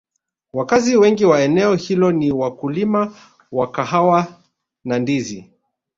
wakazi wengi wa eneo hilo ni wakulima wa kahawa na ndizi